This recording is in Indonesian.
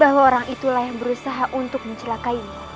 bahwa orang itulah yang berusaha untuk mencelakainya